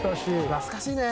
懐かしいね！